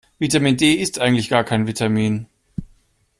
Vitamin D ist eigentlich gar kein Vitamin.